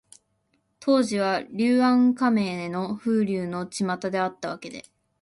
当時は、柳暗花明の風流のちまたであったわけで、